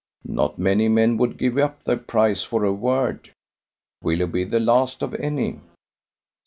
"Not many men would give up their prize for a word, Willoughby the last of any."